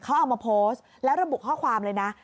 เขาเอามาโพสต์แล้วระบุข้อความเลยนะ